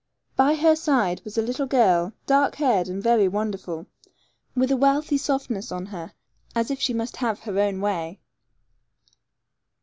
By her side was a little girl, dark haired and very wonderful, with a wealthy softness on her, as if she must have her own way.